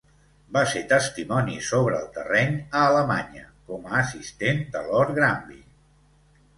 Va ser testimoni sobre el terreny a Alemanya com a assistent de Lord Granby.